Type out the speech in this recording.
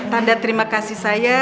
tanda terima kasih saya